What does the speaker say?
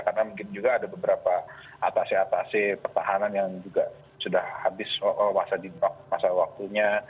karena mungkin juga ada beberapa atasi atasi pertahanan yang juga sudah habis wasa wasa waktunya